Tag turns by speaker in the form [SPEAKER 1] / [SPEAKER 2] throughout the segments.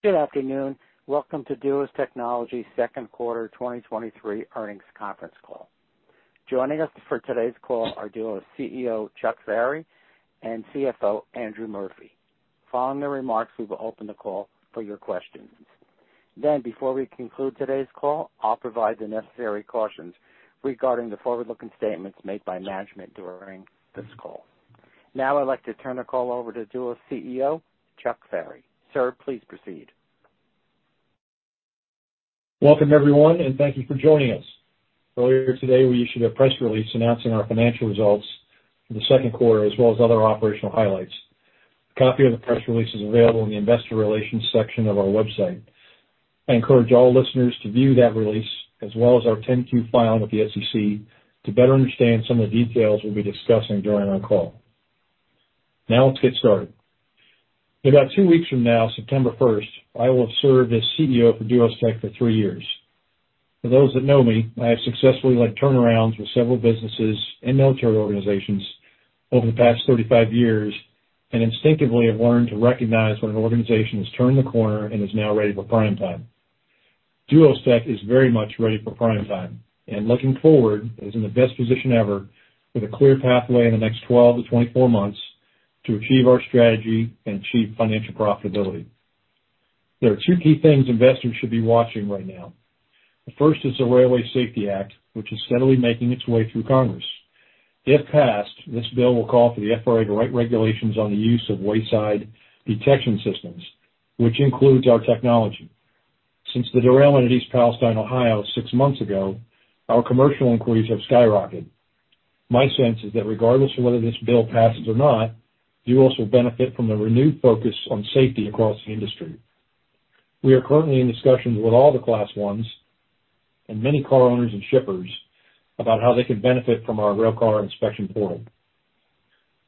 [SPEAKER 1] Good afternoon. Welcome to Duos Technologies' second quarter 2023 earnings conference call. Joining us for today's call are Duos CEO, Chuck Ferry, and CFO, Andrew Murphy. Following their remarks, we will open the call for your questions. Before we conclude today's call, I'll provide the necessary cautions regarding the forward-looking statements made by management during this call. I'd like to turn the call over to Duos CEO, Chuck Ferry. Sir, please proceed.
[SPEAKER 2] Welcome, everyone, and thank you for joining us. Earlier today, we issued a press release announcing our financial results for the second quarter, as well as other operational highlights. A copy of the press release is available in the investor relations section of our website. I encourage all listeners to view that release, as well as our 10-Q filing with the SEC, to better understand some of the details we'll be discussing during our call. Let's get started. In about two weeks from now, September first, I will have served as CEO for Duos Tech for 3 years. For those that know me, I have successfully led turnarounds with several businesses and military organizations over the past 35 years, and instinctively have learned to recognize when an organization has turned the corner and is now ready for prime time. Duos Tech is very much ready for prime time, and looking forward, is in the best position ever, with a clear pathway in the next 12-24 months to achieve our strategy and achieve financial profitability. There are two key things investors should be watching right now. The first is the Railway Safety Act, which is steadily making its way through Congress. If passed, this bill will call for the FRA to write regulations on the use of wayside detection systems, which includes our technology. Since the derailment in East Palestine, Ohio, 6 months ago, our commercial inquiries have skyrocketed. My sense is that regardless of whether this bill passes or not, Duos will benefit from the renewed focus on safety across the industry. We are currently in discussions with all the Class I and many car owners and shippers about how they can benefit from our Railcar Inspection Portal.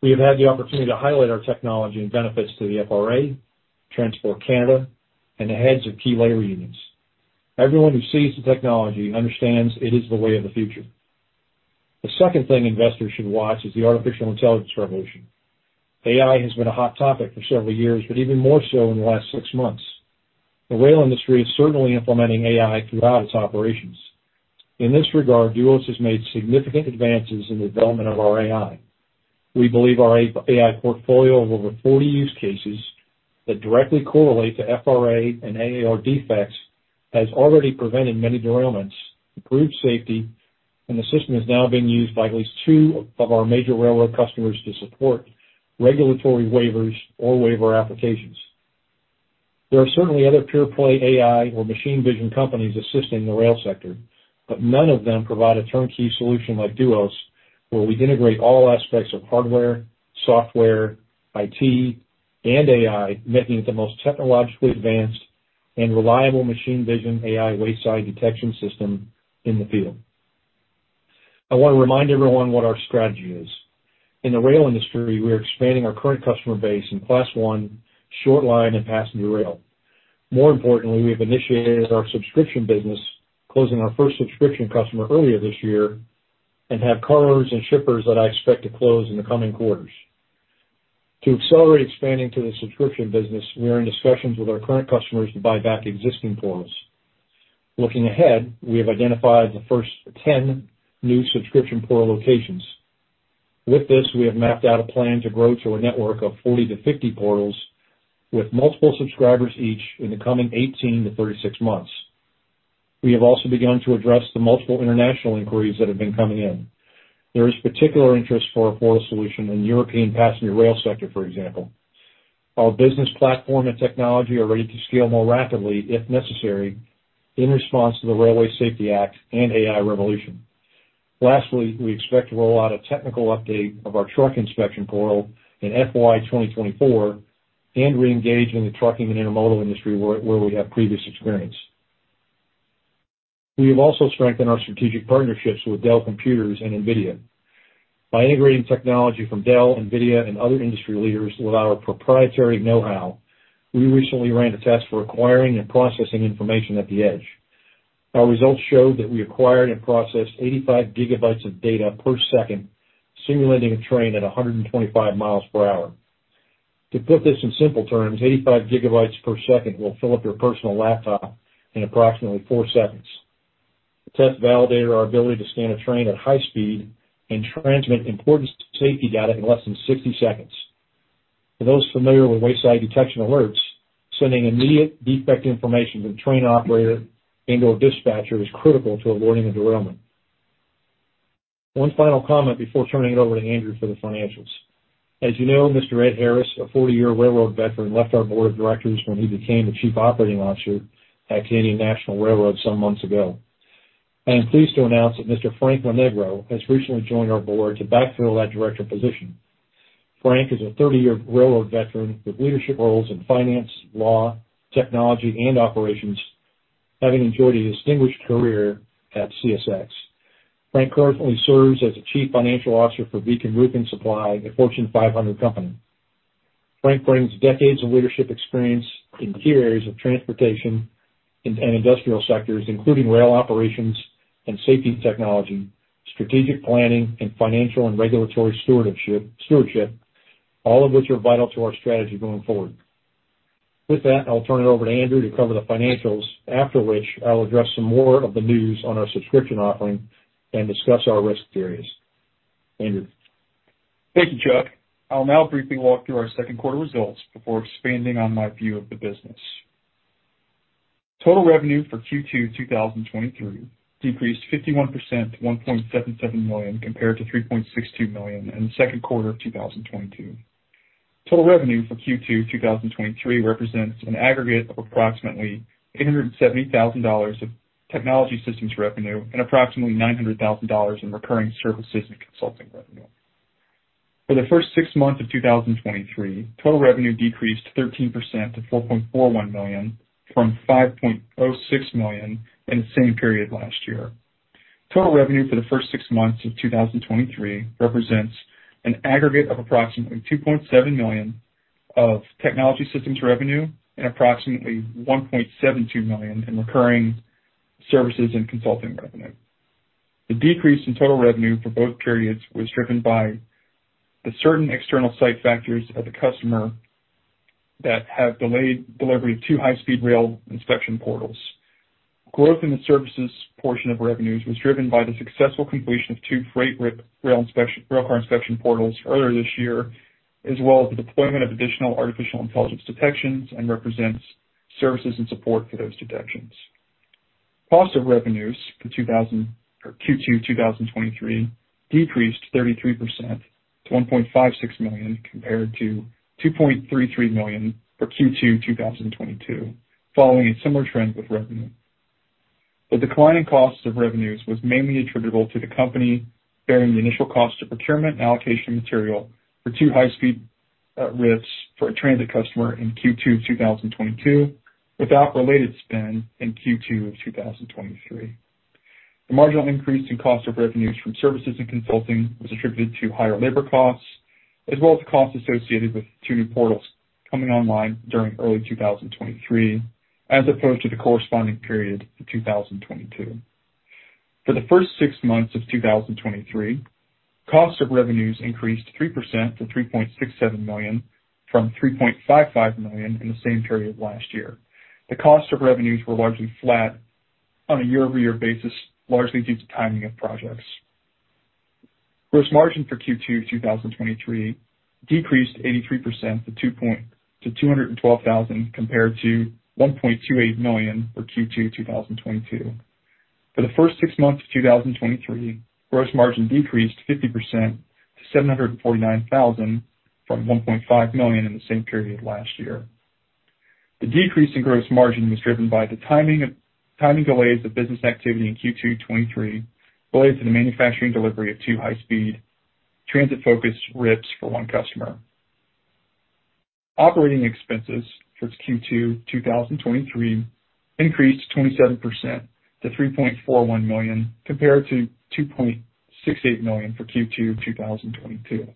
[SPEAKER 2] We have had the opportunity to highlight our technology and benefits to the FRA, Transport Canada, and the heads of key labor unions. Everyone who sees the technology understands it is the way of the future. The second thing investors should watch is the artificial intelligence revolution. AI has been a hot topic for several years, but even more so in the last 6 months. The rail industry is certainly implementing AI throughout its operations. In this regard, Duos has made significant advances in the development of our AI. We believe our AI portfolio of over 40 use cases that directly correlate to FRA and AAR defects, has already prevented many derailments, improved safety, and the system is now being used by at least two of our major railroad customers to support regulatory waivers or waiver applications. There are certainly other pure play AI or machine vision companies assisting the rail sector, but none of them provide a turnkey solution like Duos, where we integrate all aspects of hardware, software, IT, and AI, making it the most technologically advanced and reliable machine vision AI wayside detection system in the field. I want to remind everyone what our strategy is. In the rail industry, we are expanding our current customer base in Class I, short line, and passenger rail. More importantly, we have initiated our subscription business, closing our first subscription customer earlier this year, and have car owners and shippers that I expect to close in the coming quarters. To accelerate expanding to the subscription business, we are in discussions with our current customers to buy back existing portals. Looking ahead, we have identified the first 10 new subscription portal locations. With this, we have mapped out a plan to grow to a network of 40-50 portals with multiple subscribers each in the coming 18-36 months. We have also begun to address the multiple international inquiries that have been coming in. There is particular interest for our portal solution in the European passenger rail sector, for example. Our business platform and technology are ready to scale more rapidly, if necessary, in response to the Railway Safety Act and AI revolution. Lastly, we expect to roll out a technical update of our truck inspection portal in FY 2024 and reengage in the trucking and intermodal industry, where we have previous experience. We have also strengthened our strategic partnerships with Dell Computers and NVIDIA. By integrating technology from Dell, NVIDIA, and other industry leaders with our proprietary know-how, we recently ran a test for acquiring and processing information at the edge. Our results showed that we acquired and processed 85 GB of data per second, simulating a train at 125 mph. To put this in simple terms, 85 GB per second will fill up your personal laptop in approximately 4 seconds. The test validated our ability to scan a train at high speed and transmit important safety data in less than 60 seconds. For those familiar with wayside detection alerts, sending immediate defect information to the train operator and/or dispatcher is critical to avoiding a derailment. One final comment before turning it over to Andrew for the financials. As you know, Mr. Ed Harris, a 40-year railroad veteran, left our board of directors when he became the Chief Operating Officer at Canadian National Railway some months ago. I am pleased to announce that Mr. Frank Lonegro has recently joined our board to backfill that director position. Frank is a 30-year railroad veteran with leadership roles in finance, law, technology, and operations, having enjoyed a distinguished career at CSX. Frank currently serves as the Chief Financial Officer for Beacon Roofing Supply, a Fortune 500 company. Frank brings decades of leadership experience in key areas of transportation and industrial sectors, including rail operations and safety technology, strategic planning, and financial and regulatory stewardship, all of which are vital to our strategy going forward. With that, I'll turn it over to Andrew to cover the financials, after which I'll address some more of the news on our subscription offering and discuss our risk areas. Andrew?
[SPEAKER 3] Thank you, Chuck. I'll now briefly walk through our second quarter results before expanding on my view of the business. Total revenue for Q2 2023 decreased 51% to $1.77 million, compared to $3.62 million in the second quarter of 2022. Total revenue for Q2 2023 represents an aggregate of approximately $870,000 of technology systems revenue and approximately $900,000 in recurring services and consulting revenue. For the first 6 months of 2023, total revenue decreased 13% to $4.41 million from $5.06 million in the same period last year. Total revenue for the first 6 months of 2023 represents an aggregate of approximately $2.7 million of technology systems revenue and approximately $1.72 million in recurring services and consulting revenue. The decrease in total revenue for both periods was driven by the certain external site factors of the customer that have delayed delivery of two high-speed Railcar Inspection Portals. Growth in the services portion of revenues was driven by the successful completion of two freight RIP Railcar Inspection Portals earlier this year, as well as the deployment of additional artificial intelligence detections and represents services and support for those detections. Cost of revenues for Q2 2023 decreased 33% to $1.56 million, compared to $2.33 million for Q2 2022, following a similar trend with revenue. The decline in cost of revenues was mainly attributable to the company bearing the initial cost of procurement and allocation of material for two high-speed RIPs for a transit customer in Q2 2022, without related spend in Q2 2023. The marginal increase in cost of revenues from services and consulting was attributed to higher labor costs, as well as costs associated with two new portals coming online during early 2023, as opposed to the corresponding period of 2022. For the first 6 months of 2023, cost of revenues increased 3% to $3.67 million from $3.55 million in the same period last year. The cost of revenues were largely flat on a year-over-year basis, largely due to timing of projects. Gross margin for Q2 2023 decreased 83% to $212,000, compared to $1.28 million for Q2 2022. For the first 6 months of 2023, gross margin decreased 50% to $749,000 from $1.5 million in the same period last year. The decrease in gross margin was driven by timing delays of business activity in Q2 2023 related to the manufacturing delivery of two high-speed transit-focused RIPs for one customer. Operating expenses for Q2 2023 increased 27% to $3.41 million, compared to $2.68 million for Q2 2022.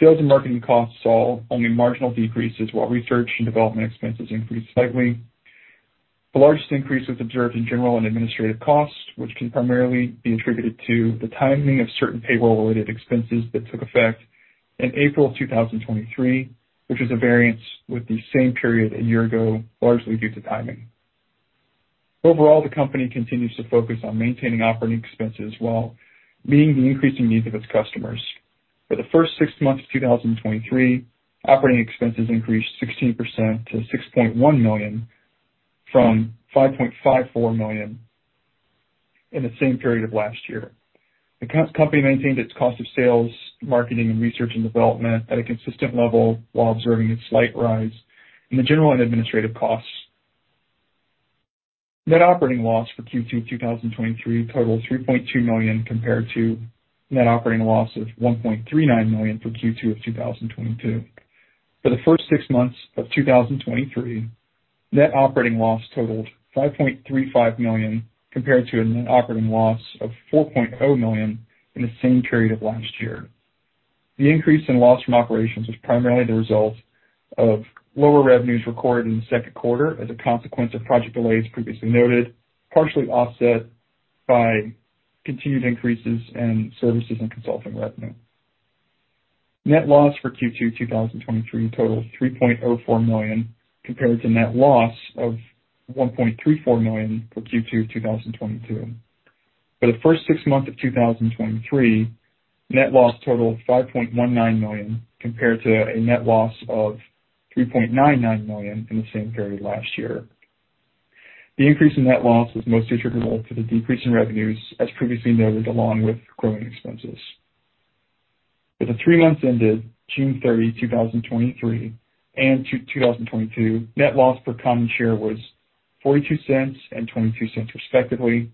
[SPEAKER 3] Sales and marketing costs saw only marginal decreases, while research and development expenses increased slightly. The largest increase was observed in general and administrative costs, which can primarily be attributed to the timing of certain payroll-related expenses that took effect in April 2023, which is a variance with the same period a year ago, largely due to timing. Overall, the company continues to focus on maintaining operating expenses while meeting the increasing needs of its customers. For the first 6 months of 2023, operating expenses increased 16% to $6.1 million from $5.54 million in the same period of last year. The company maintained its cost of sales, marketing, and research and development at a consistent level while observing a slight rise in the general and administrative costs. Net operating loss for Q2 2023 totaled $3.2 million, compared to net operating loss of $1.39 million for Q2 2022. For the first 6 months of 2023, net operating loss totaled $5.35 million, compared to a net operating loss of $4.0 million in the same period of last year. The increase in loss from operations was primarily the result of lower revenues recorded in the second quarter as a consequence of project delays previously noted, partially offset by continued increases in services and consulting revenue. Net loss for Q2 2023 totaled $3.04 million, compared to net loss of $1.34 million for Q2 2022. For the first 6 months of 2023, net loss totaled $5.19 million, compared to a net loss of $3.99 million in the same period last year. The increase in net loss was mostly attributable to the decrease in revenues, as previously noted, along with growing expenses. For the 3 months ended June 30, 2023 and Q2 2022, net loss per common share was $0.42 and $0.22, respectively, and for the 6 months ended June 30, 2023 and 2022, net loss per common share was $0.72 and $0.70, respectively.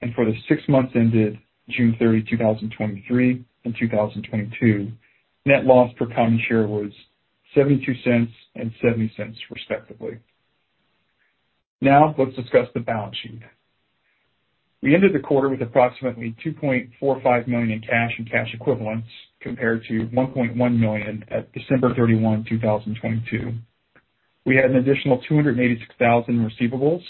[SPEAKER 3] Let's discuss the balance sheet. We ended the quarter with approximately $2.45 million in cash and cash equivalents, compared to $1.1 million at December 31, 2022. We had an additional $286,000 in receivables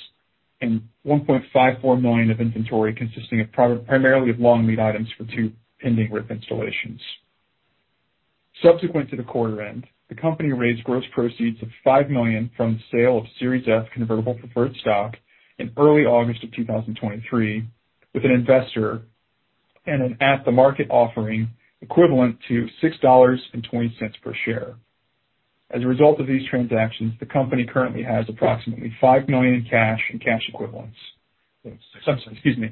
[SPEAKER 3] and $1.54 million of inventory, consisting primarily of long lead items for two pending RIP installations. Subsequent to the quarter end, the company raised gross proceeds of $5 million from the sale of Series F Convertible Preferred Stock in early August of 2023, with an investor and an at-the-market offering equivalent to $6.20 per share. As a result of these transactions, the company currently has approximately $5 million in cash and cash equivalents. Excuse me.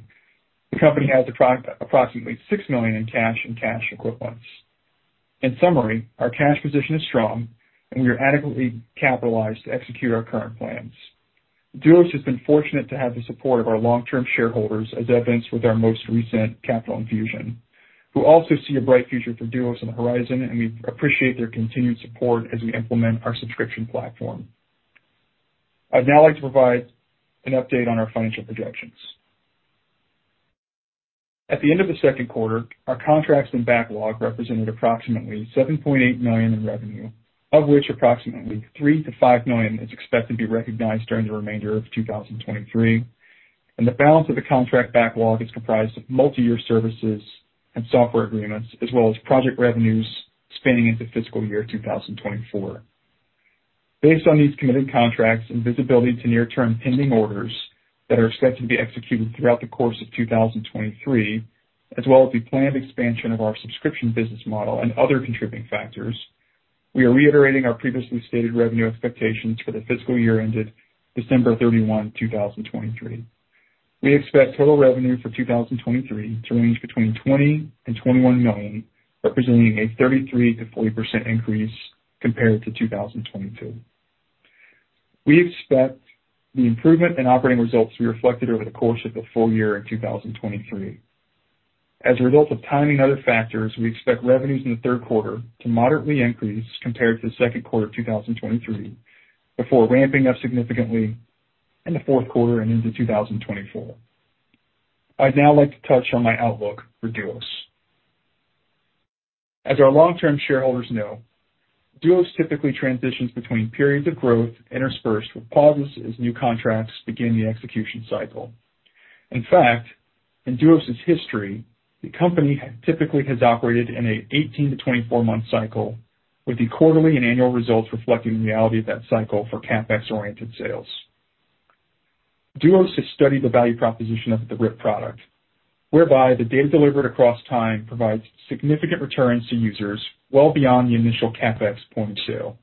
[SPEAKER 3] The company has approximately $6 million in cash and cash equivalents. In summary, our cash position is strong, and we are adequately capitalized to execute our current plans. Duos has been fortunate to have the support of our long-term shareholders, as evidenced with our most recent capital infusion, who also see a bright future for Duos on the horizon, and we appreciate their continued support as we implement our subscription platform. I'd now like to provide an update on our financial projections. At the end of the second quarter, our contracts and backlog represented approximately $7.8 million in revenue, of which approximately $3 million-$5 million is expected to be recognized during the remainder of 2023. The balance of the contract backlog is comprised of multi-year services and software agreements, as well as project revenues spanning into FY 2024. Based on these committed contracts and visibility to near-term pending orders that are expected to be executed throughout the course of 2023, as well as the planned expansion of our subscription business model and other contributing factors, we are reiterating our previously stated revenue expectations for the fiscal year ended December 31, 2023. We expect total revenue for 2023 to range between $20 million and $21 million, representing a 33%-40% increase compared to 2022. We expect the improvement in operating results to be reflected over the course of the full year in 2023. As a result of timing other factors, we expect revenues in the third quarter to moderately increase compared to the second quarter of 2023, before ramping up significantly in the fourth quarter and into 2024. I'd now like to touch on my outlook for Duos. As our long-term shareholders know, Duos typically transitions between periods of growth interspersed with pauses as new contracts begin the execution cycle. In fact, in Duos' history, the company typically has operated in an 18-24 month cycle, with the quarterly and annual results reflecting the reality of that cycle for CapEx-oriented sales. Duos has studied the value proposition of the RIP product, whereby the data delivered across time provides significant returns to users well beyond the initial CapEx point of sale.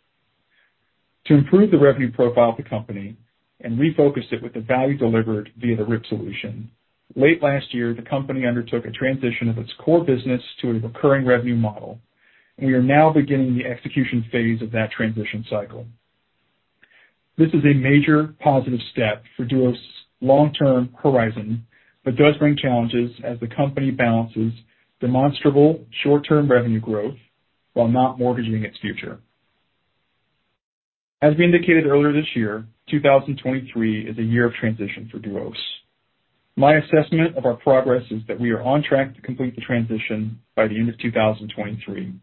[SPEAKER 3] To improve the revenue profile of the company and refocus it with the value delivered via the RIP solution, late last year, the company undertook a transition of its core business to a recurring revenue model, and we are now beginning the execution phase of that transition cycle. This is a major positive step for Duos' long-term horizon, but does bring challenges as the company balances demonstrable short-term revenue growth while not mortgaging its future. As we indicated earlier this year, 2023 is a year of transition for Duos. My assessment of our progress is that we are on track to complete the transition by the end of 2023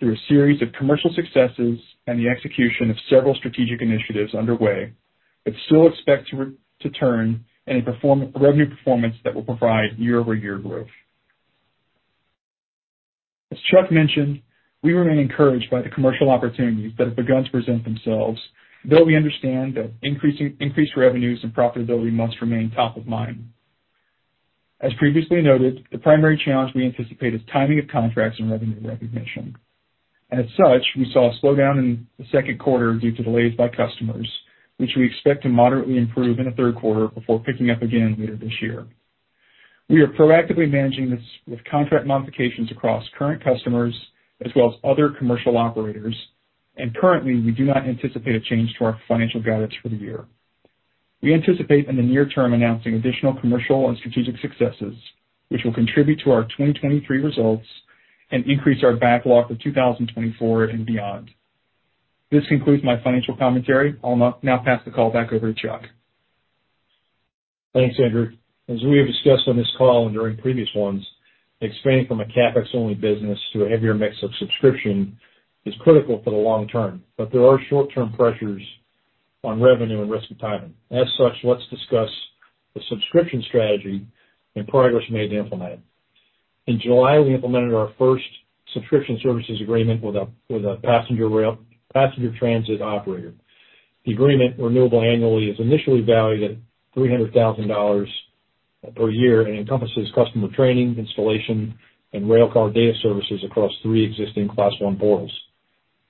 [SPEAKER 3] through a series of commercial successes and the execution of several strategic initiatives underway, but still expect to turn in a revenue performance that will provide year-over-year growth. As Chuck mentioned, we remain encouraged by the commercial opportunities that have begun to present themselves, though we understand that increased revenues and profitability must remain top of mind. As previously noted, the primary challenge we anticipate is timing of contracts and revenue recognition. As such, we saw a slowdown in the second quarter due to delays by customers, which we expect to moderately improve in the third quarter before picking up again later this year. We are proactively managing this with contract modifications across current customers as well as other commercial operators, and currently, we do not anticipate a change to our financial guidance for the year. We anticipate in the near term announcing additional commercial and strategic successes, which will contribute to our 2023 results and increase our backlog for 2024 and beyond. This concludes my financial commentary. I'll now pass the call back over to Chuck.
[SPEAKER 2] Thanks, Andrew. As we have discussed on this call and during previous ones, expanding from a CapEx-only business to a heavier mix of subscription is critical for the long term, but there are short-term pressures on revenue and risk of timing. As such, let's discuss the subscription strategy and progress made to implement it. In July, we implemented our first subscription services agreement with a passenger rail, passenger transit operator. The agreement, renewable annually, is initially valued at $300,000 per year and encompasses customer training, installation, and railcar data services across three existing Class I portals.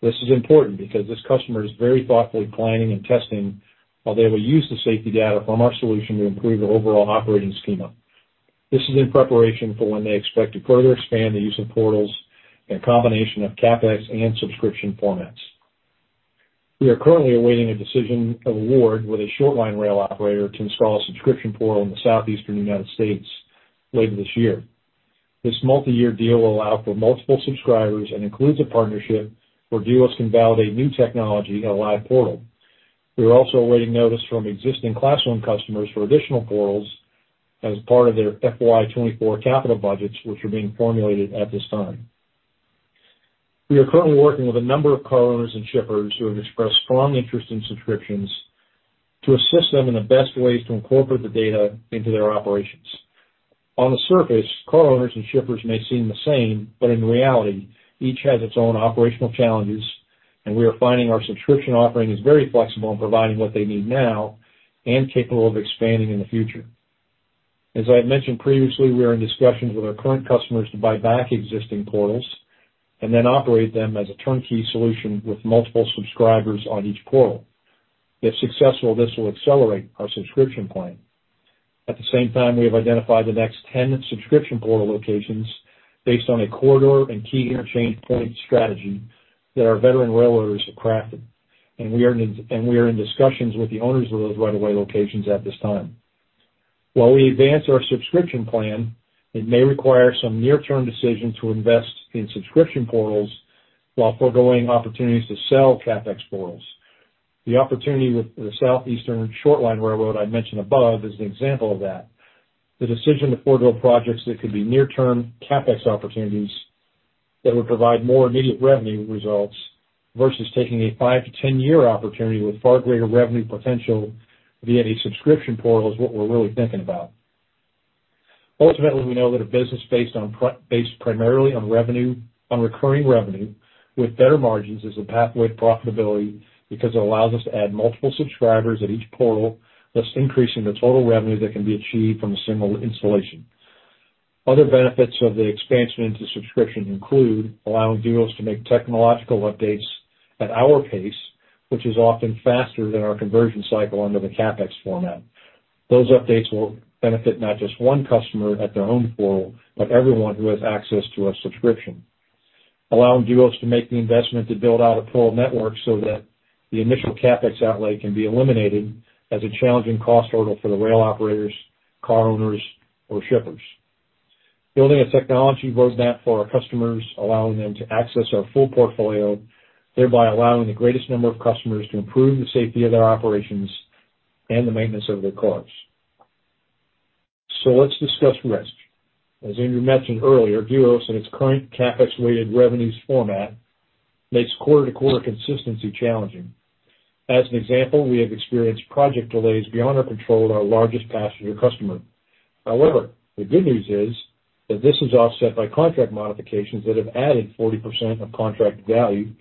[SPEAKER 2] This is important because this customer is very thoughtfully planning and testing how they will use the safety data from our solution to improve their overall operating schema. This is in preparation for when they expect to further expand the use of portals in a combination of CapEx and subscription formats. We are currently awaiting a decision of award with a short line rail operator to install a subscription portal in the southeastern United States later this year. This multi-year deal will allow for multiple subscribers and includes a partnership where Duos can validate new technology in a live portal. We are also awaiting notice from existing Class I customers for additional portals as part of their FY 2024 capital budgets, which are being formulated at this time. We are currently working with a number of car owners and shippers who have expressed strong interest in subscriptions to assist them in the best ways to incorporate the data into their operations. On the surface, car owners and shippers may seem the same, but in reality, each has its own operational challenges, and we are finding our subscription offering is very flexible in providing what they need now and capable of expanding in the future. As I had mentioned previously, we are in discussions with our current customers to buy back existing portals and then operate them as a turnkey solution with multiple subscribers on each portal. If successful, this will accelerate our subscription plan. At the same time, we have identified the next 10 subscription portal locations based on a corridor and key interchange point strategy that our veteran railroaders have crafted, and we are in discussions with the owners of those right-of-way locations at this time. While we advance our subscription plan, it may require some near-term decisions to invest in subscription portals while foregoing opportunities to sell CapEx portals. The opportunity with the southeastern short line railroad I mentioned above is an example of that. The decision to forego projects that could be near-term CapEx opportunities that would provide more immediate revenue results versus taking a 5- to 10-year opportunity with far greater revenue potential via a subscription portal is what we're really thinking about. Ultimately, we know that a business based primarily on revenue, on recurring revenue with better margins is a pathway to profitability because it allows us to add multiple subscribers at each portal, thus increasing the total revenue that can be achieved from a single installation. Other benefits of the expansion into subscription include allowing Duos to make technological updates at our pace, which is often faster than our conversion cycle under the CapEx format. Those updates will benefit not just one customer at their own portal, but everyone who has access to a subscription. Allowing Duos to make the investment to build out a portal network so that the initial CapEx outlay can be eliminated as a challenging cost hurdle for the rail operators, car owners, or shippers. Building a technology roadmap for our customers, allowing them to access our full portfolio, thereby allowing the greatest number of customers to improve the safety of their operations and the maintenance of their cars. Let's discuss risk. As Andrew mentioned earlier, Duos, in its current CapEx-weighted revenues format, makes quarter-to-quarter consistency challenging. As an example, we have experienced project delays beyond our control at our largest passenger customer. However, the good news is that this is offset by contract modifications that have added 40% of contract value,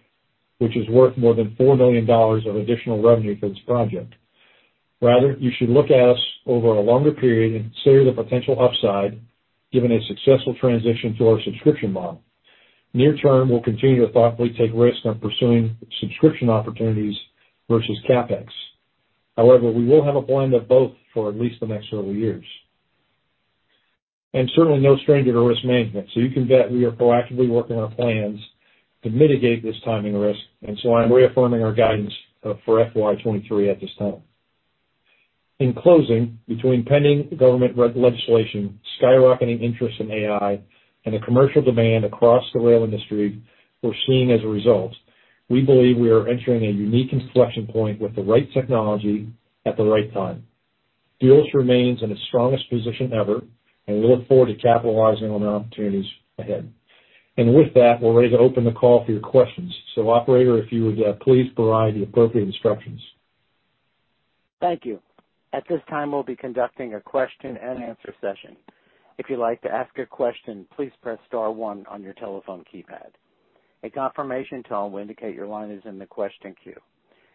[SPEAKER 2] which is worth more than $4 million of additional revenue for this project. Rather, you should look at us over a longer period and consider the potential upside given a successful transition to our subscription model. Near term, we'll continue to thoughtfully take risks on pursuing subscription opportunities versus CapEx. However, we will have a blend of both for at least the next several years. Certainly no stranger to risk management, so you can bet we are proactively working on plans to mitigate this timing risk, and so I'm reaffirming our guidance for FY 2023 at this time. In closing, between pending government legislation, skyrocketing interest in AI, and the commercial demand across the rail industry we're seeing as a result, we believe we are entering a unique inflection point with the right technology at the right time. Duos remains in its strongest position ever, and we look forward to capitalizing on the opportunities ahead. With that, we're ready to open the call for your questions. Operator, if you would, please provide the appropriate instructions.
[SPEAKER 1] Thank you. At this time, we'll be conducting a question and answer session. If you'd like to ask a question, please press star one on your telephone keypad. A confirmation tone will indicate your line is in the question queue.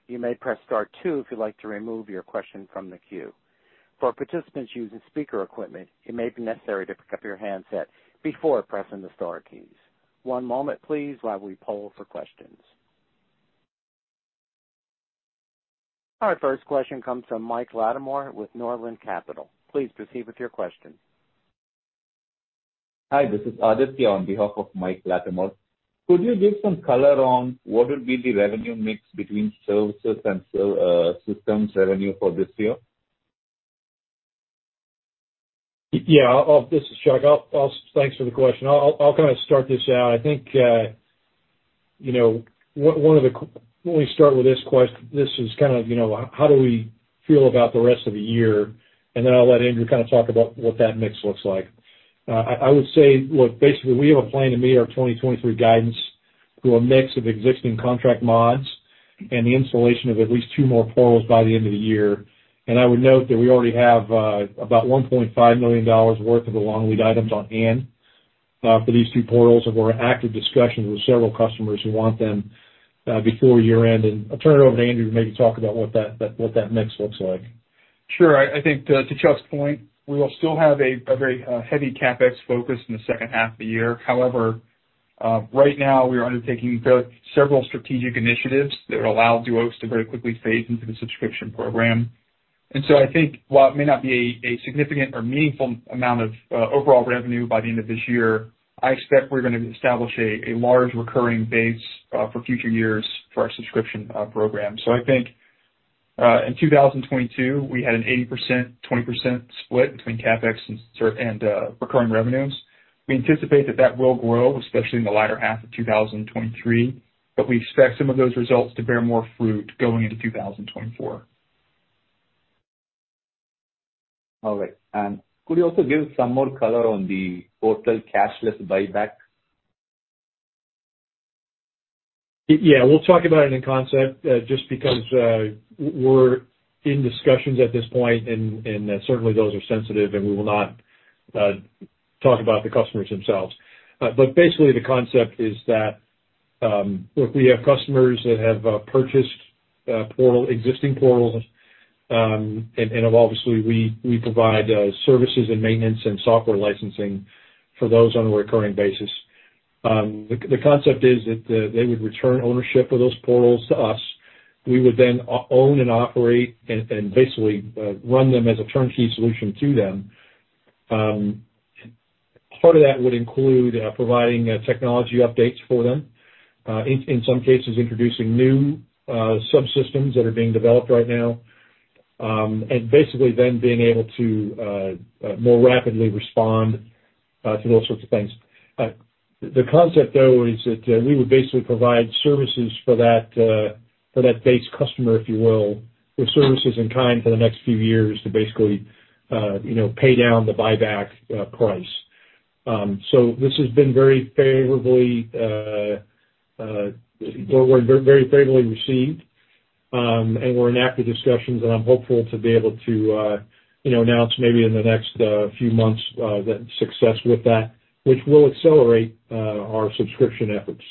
[SPEAKER 1] You may press star two if you'd like to remove your question from the queue. For participants using speaker equipment, it may be necessary to pick up your handset before pressing the star keys. One moment please while we poll for questions. Our first question comes from Mike Latimore with Northland Capital. Please proceed with your question.
[SPEAKER 4] Hi, this is Aditya on behalf of Mike Latimore. Could you give some color on what will be the revenue mix between services and systems revenue for this year?
[SPEAKER 2] Yeah, this is Chuck. Thanks for the question. I'll, kind of, start this out. I think, you know, let me start with this, this is kind of, you know, how do we feel about the rest of the year? Then I'll let Andrew kind of talk about what that mix looks like. I would say, look, basically, we have a plan to meet our 2023 guidance through a mix of existing contract mods and the installation of at least two more portals by the end of the year. I would note that we already have about $1.5 million worth of long-lead items on hand for these two portals and we're in active discussions with several customers who want them before year-end. I'll turn it over to Andrew to maybe talk about what that, what that mix looks like.
[SPEAKER 3] Sure. I, I think, to Chuck's point, we will still have a very heavy CapEx focus in the second half of the year. However, right now we are undertaking very, several strategic initiatives that allow Duos to very quickly fade into the subscription program. I think while it may not be a significant or meaningful amount of overall revenue by the end of this year, I expect we're gonna establish a large recurring base for future years for our subscription program. I think. In 2022, we had an 80%, 20% split between CapEx and recurring revenues. We anticipate that that will grow, especially in the latter half of 2023, but we expect some of those results to bear more fruit going into 2024.
[SPEAKER 4] All right. Could you also give some more color on the total cashless buyback?
[SPEAKER 2] Yeah, we'll talk about it in concept, just because we're in discussions at this point, and certainly those are sensitive, and we will not talk about the customers themselves. But basically, the concept is that if we have customers that have purchased portal, existing portals, and obviously, we provide services and maintenance and software licensing for those on a recurring basis. The, the concept is that they would return ownership of those portals to us. We would then own and operate and basically run them as a turnkey solution to them. Part of that would include providing technology updates for them, in some cases, introducing new subsystems that are being developed right now, and basically then being able to more rapidly respond to those sorts of things. The concept, though, is that we would basically provide services for that, for that base customer, if you will, with services in kind for the next few years to basically, you know, pay down the buyback price. This has been very favorably or very favorably received. We're in active discussions, and I'm hopeful to be able to, you know, announce maybe in the next few months, the success with that, which will accelerate our subscription efforts.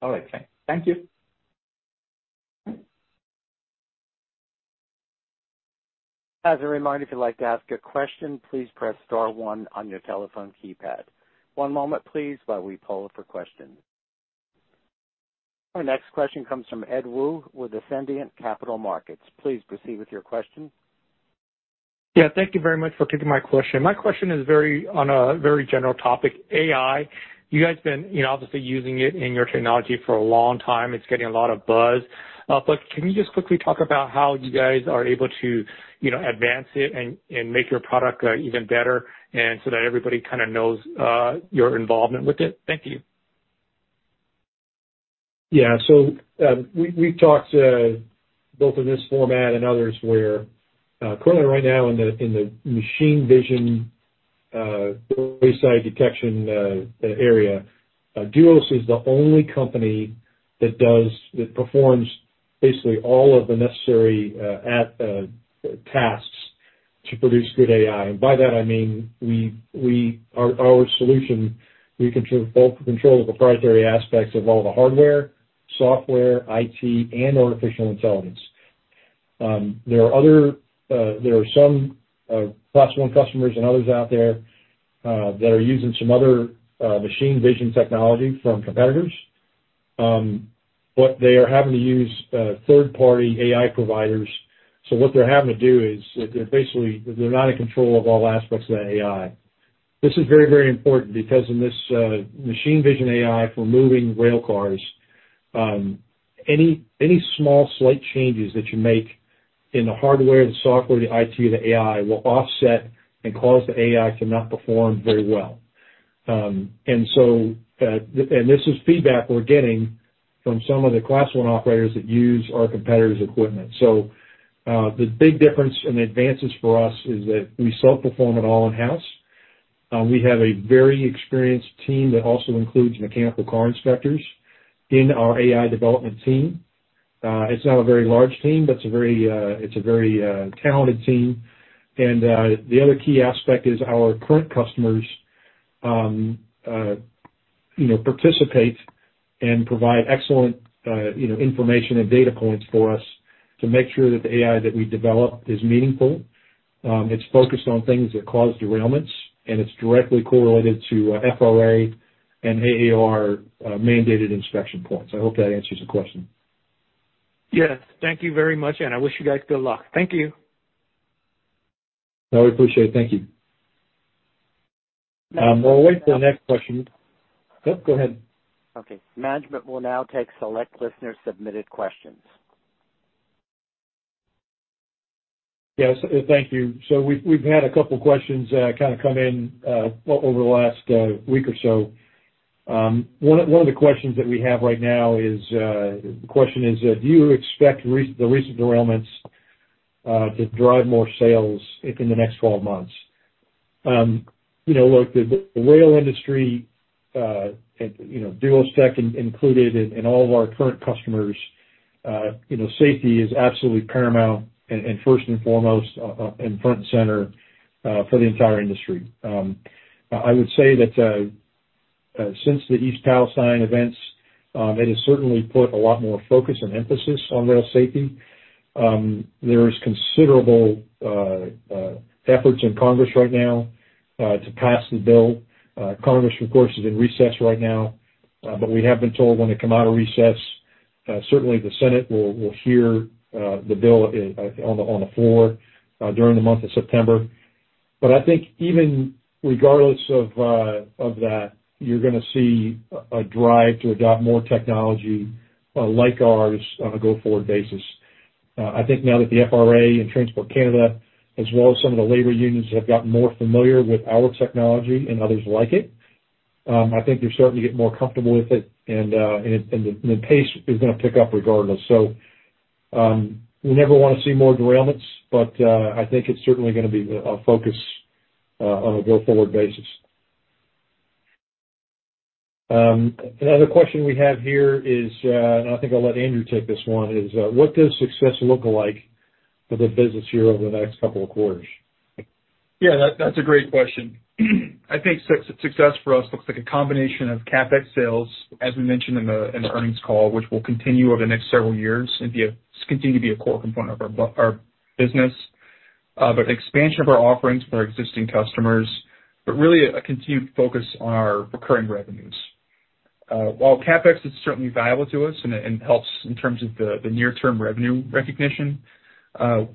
[SPEAKER 4] All right, thank you.
[SPEAKER 1] As a reminder, if you'd like to ask a question, please press star one on your telephone keypad. One moment, please, while we poll for questions. Our next question comes from Ed Woo with Ascendiant Capital Markets. Please proceed with your question.
[SPEAKER 5] Yeah, thank you very much for taking my question. My question is very, on a very general topic, AI. You guys been, you know, obviously using it in your technology for a long time. It's getting a lot of buzz. Can you just quickly talk about how you guys are able to, you know, advance it and, and make your product even better, and so that everybody kind of knows your involvement with it? Thank you.
[SPEAKER 2] Yeah. We, we've talked, both in this format and others, where, currently right now in the machine vision, wayside detection area, Duos is the only company that performs basically all of the necessary tasks to produce good AI. By that, I mean, we, we, our, our solution, we control, control the proprietary aspects of all the hardware, software, IT, and artificial intelligence. There are other, there are some Class I customers and others out there that are using some other machine vision technology from competitors, but they are having to use third-party AI providers. What they're having to do is they're basically, they're not in control of all aspects of the AI. This is very, very important because in this machine vision AI for moving rail cars, any, any small slight changes that you make in the hardware, the software, the IT, the AI, will offset and cause the AI to not perform very well. This is feedback we're getting from some of the Class I operators that use our competitors' equipment. The big difference and advances for us is that we self-perform it all in-house. We have a very experienced team that also includes mechanical car inspectors in our AI development team. It's not a very large team, but it's a very, it's a very talented team. The other key aspect is our current customers, you know, participate and provide excellent, you know, information and data points for us to make sure that the AI that we develop is meaningful, it's focused on things that cause derailments, and it's directly correlated to FRA and AAR mandated inspection points. I hope that answers the question.
[SPEAKER 5] Yes, thank you very much. I wish you guys good luck. Thank you.
[SPEAKER 2] I appreciate it. Thank you. We'll wait for the next question. Oh, go ahead.
[SPEAKER 1] Okay. Management will now take select listener-submitted questions.
[SPEAKER 2] Yes, thank you. We've, we've had a couple questions, kind of come in, over the last week or so. One, one of the questions that we have right now is, the question is, do you expect the recent derailments to drive more sales in the next 12 months? You know, look, the, the rail industry, and, you know, Duos Tech included, and, and all of our current customers, you know, safety is absolutely paramount and, and first and foremost, and front and center, for the entire industry. I would say that, since the East Palestine events, it has certainly put a lot more focus and emphasis on rail safety. There is considerable efforts in Congress right now, to pass the bill. Congress, of course, is in recess right now, but we have been told when they come out of recess, certainly the Senate will hear the bill on the floor during the month of September. I think even regardless of that, you're gonna see a drive to adopt more technology like ours on a go-forward basis. I think now that the FRA and Transport Canada, as well as some of the labor unions, have gotten more familiar with our technology and others like it, I think they're starting to get more comfortable with it, and the pace is gonna pick up regardless. We never wanna see more derailments, but I think it's certainly gonna be a focus on a go-forward basis. Another question we have here is, and I think I'll let Andrew take this one, is: What does success look like for the business here over the next couple of quarters?
[SPEAKER 3] That's a great question. I think success for us looks like a combination of CapEx sales, as we mentioned in the earnings call, which will continue over the next several years and continue to be a core component of our business, but expansion of our offerings for our existing customers, but really a continued focus on our recurring revenues. While CapEx is certainly valuable to us and helps in terms of the near-term revenue recognition, and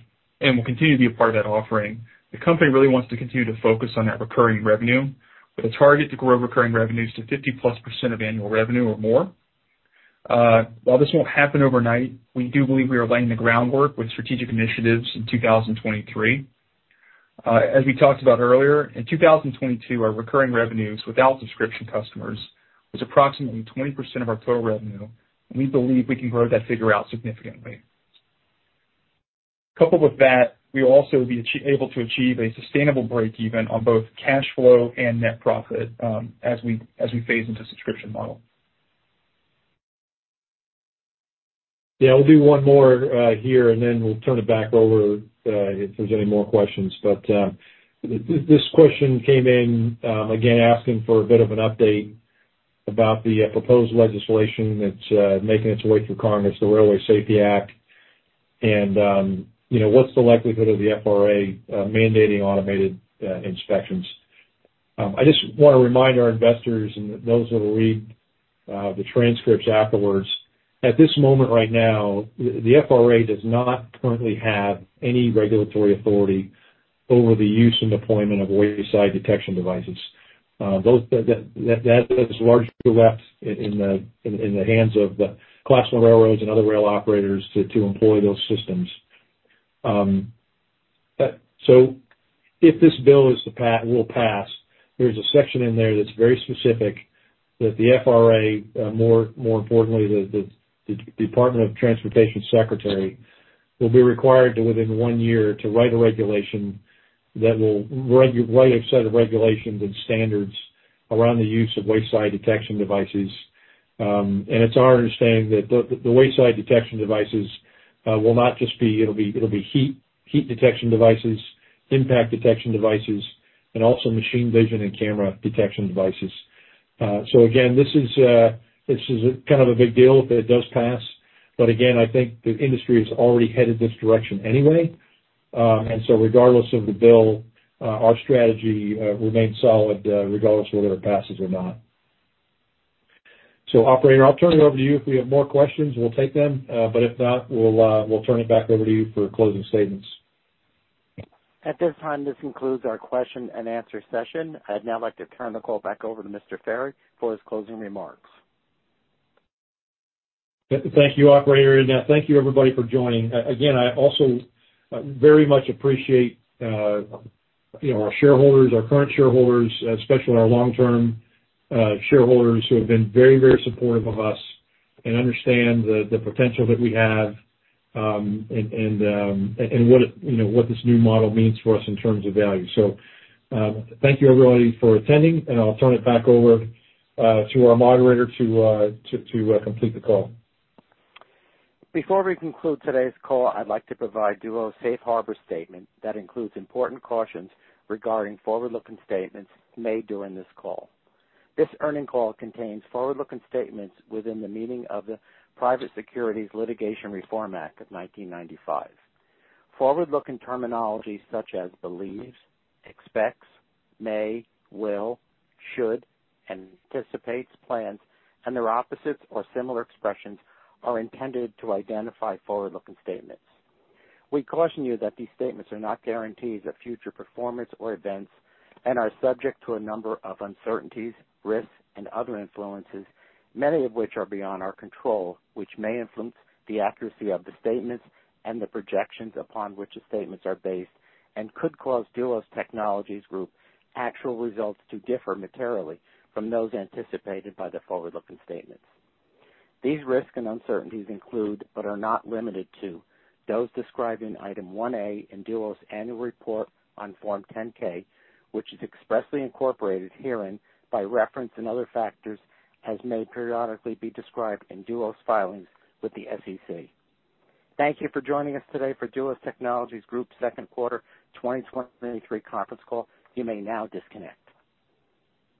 [SPEAKER 3] will continue to be a part of that offering, the company really wants to continue to focus on that recurring revenue with a target to grow recurring revenues to +50% of annual revenue or more. While this won't happen overnight, we do believe we are laying the groundwork with strategic initiatives in 2023. As we talked about earlier, in 2022, our recurring revenues without subscription customers was approximately 20% of our total revenue, and we believe we can grow that figure out significantly. Coupled with that, we will also be able to achieve a sustainable breakeven on both cash flow and net profit, as we phase into subscription model.
[SPEAKER 2] Yeah, we'll do one more here, and then we'll turn it back over if there's any more questions. This question came in again, asking for a bit of an update about the proposed legislation that's making its way through Congress, the Railway Safety Act, and, you know, what's the likelihood of the FRA mandating automated inspections? I just wanna remind our investors and those that will read the transcripts afterwards, at this moment right now, the FRA does not currently have any regulatory authority over the use and deployment of wayside detection devices. Those that is largely left in the hands of the Class I railroads and other rail operators to employ those systems. If this bill will pass, there's a section in there that's very specific that the FRA, more importantly, the Department of Transportation Secretary, will be required to, within 1 year, to write a set of regulations and standards around the use of wayside detection devices. It's our understanding that the wayside detection devices will not just be... It'll be heat detection devices, impact detection devices, and also machine vision and camera detection devices. Again, this is kind of a big deal if it does pass, but again, I think the industry is already headed this direction anyway. Regardless of the bill, our strategy remains solid, regardless of whether it passes or not. Operator, I'll turn it over to you. If we have more questions, we'll take them, but if not, we'll, we'll turn it back over to you for closing statements.
[SPEAKER 1] At this time, this concludes our question and answer session. I'd now like to turn the call back over to Mr. Ferry for his closing remarks.
[SPEAKER 2] Thank you, operator. Now, thank you, everybody, for joining. Again, I also very much appreciate, you know, our shareholders, our current shareholders, especially our long-term shareholders, who have been very, very supportive of us and understand the potential that we have, and what it, you know, what this new model means for us in terms of value. Thank you, everybody, for attending, and I'll turn it back over to our moderator to complete the call.
[SPEAKER 1] Before we conclude today's call, I'd like to provide Duos' safe harbor statement that includes important cautions regarding forward-looking statements made during this call. This earnings call contains forward-looking statements within the meaning of the Private Securities Litigation Reform Act of 1995. Forward-looking terminology such as believes, expects, may, will, should, anticipates, plans, and their opposites or similar expressions, are intended to identify forward-looking statements. We caution you that these statements are not guarantees of future performance or events and are subject to a number of uncertainties, risks, and other influences, many of which are beyond our control, which may influence the accuracy of the statements and the projections upon which the statements are based and could cause Duos Technologies Group actual results to differ materially from those anticipated by the forward-looking statements. These risks and uncertainties include, but are not limited to, those described in Item 1A in Duos' annual report on Form 10-K, which is expressly incorporated herein by reference and other factors, as may periodically be described in Duos' filings with the SEC. Thank you for joining us today for Duos Technologies Group's second quarter 2023 conference call. You may now disconnect.